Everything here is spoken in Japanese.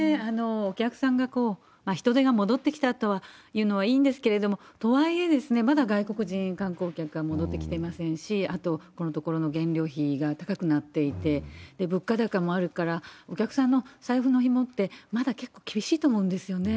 お客さんが、人出が戻ってきたというのはいいんですけれども、とはいえ、まだ外国人観光客が戻ってきてませんし、あと、ここのところ原料費が高くなっていて、物価高もあるから、お客さんの財布のひもってまだ結構厳しいと思うんですよね。